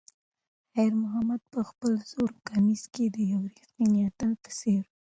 خیر محمد په خپل زوړ کمیس کې د یو ریښتیني اتل په څېر و.